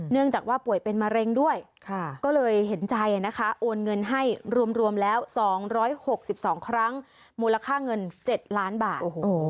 เนื่องจากว่าป่วยเป็นมะเร็งด้วยก็เลยเห็นใจนะคะโอนเงินให้รวมรวมแล้วสองร้อยหกสิบสองครั้งมูลค่าเงินเจ็ดล้านบาท